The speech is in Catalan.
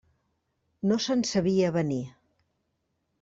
No se'n sabia avenir.